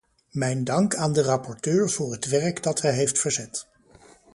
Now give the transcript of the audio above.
Mijn dank aan de rapporteur voor het werk dat hij heeft verzet.